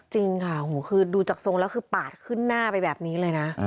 จริงค่ะคือดูจากทรงแล้วคือปาดขึ้นหน้าไปแบบนี้เลยนะ